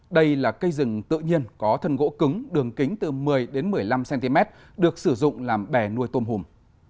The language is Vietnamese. đây là cây rừng tự nhiên có thân gỗ cứng đường kính từ một mươi một mươi năm cm được sử dụng làm bè nuôi tôm hùm